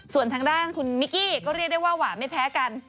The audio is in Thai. ส่วนทางด้านคุณมิกกี้ก็เรียกได้ว่าหวานไม่แพ้กัน